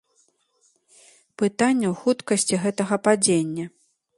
Пытанне ў хуткасці гэтага падзення.